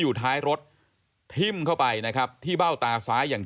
อยู่ท้ายรถทิ้มเข้าไปนะครับที่เบ้าตาซ้ายอย่าง